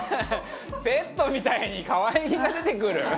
ペットみたいに可愛げが出てくる？